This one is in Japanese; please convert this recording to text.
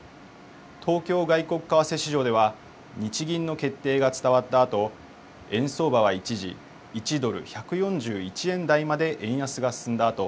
東京外国為替市場では、日銀の決定が伝わったあと、円相場は一時、１ドル１４１円台まで円安が進んだあと、